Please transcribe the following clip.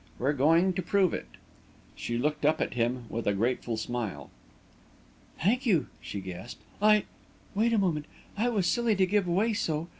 We're going to prove it!" She looked up at him with a grateful smile. "Thank you!" she gasped. "I wait a moment I was silly to give way so.